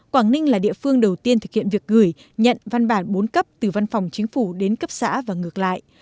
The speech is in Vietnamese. quảng ninh là địa phương đầu tiên thực hiện việc gửi nhận văn bản bốn cấp từ văn phòng chính phủ đến cấp xã và ngược lại